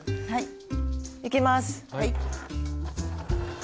はい。